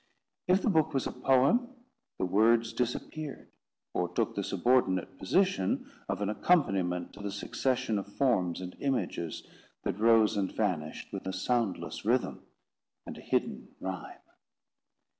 If the book was a poem, the words disappeared, or took the subordinate position of an accompaniment to the succession of forms and images that rose and vanished with a soundless rhythm, and a hidden rime.